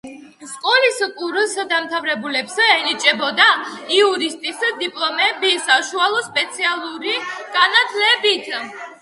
სკოლის კურსდამთავრებულებს ენიჭებოდათ იურისტის დიპლომები საშუალო სპეციალური განათლებით.